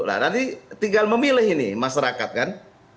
nah nanti tinggal memilih ini masyarakat kan